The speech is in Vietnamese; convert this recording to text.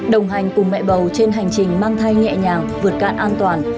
đồng hành cùng mẹ bầu trên hành trình mang thai nhẹ nhàng vượt cạn an toàn